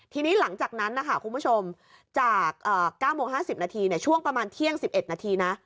ทีนี้หลังจากนั้นนะคะคุณผู้ชมจาก๙โมง๕๐นาทีช่วงประมาณเที่ยง๑๑นาทีนะ